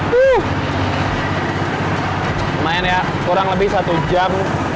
lumayan ya kurang lebih satu jam